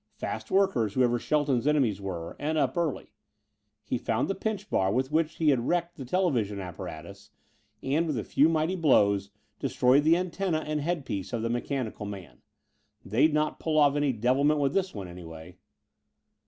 Fast workers, whoever Shelton's enemies were, and up early! He found the pinch bar with which he had wrecked the television apparatus and, with a few mighty blows, destroyed the antenna and headpiece of the mechanical man. They'd not pull off any devilment with this one, anyway.